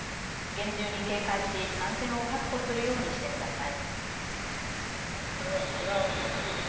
厳重に警戒し安全を確保するようにしてください。